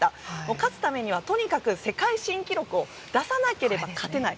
勝つためにはとにかく世界新記録を出さなければ勝てない。